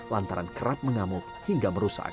lantaran kerap mengamuk hingga merusak